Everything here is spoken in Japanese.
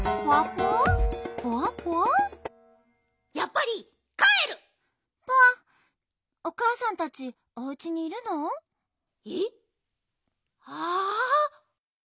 ぽわおかあさんたちおうちにいるの？え？ああ。